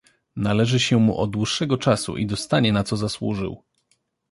"Należy się mu od dłuższego czasu i dostanie na co zasłużył."